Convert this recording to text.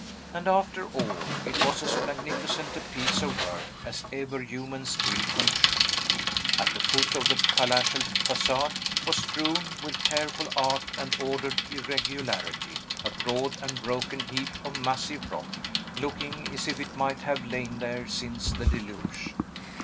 And, after all, it was as magnificent a piece of work as ever human skill contrived. At the foot of the palatial facade was strewn, with careful art and ordered irregularity, a broad and broken heap of massive rock, looking is if it might have lain there since the deluge.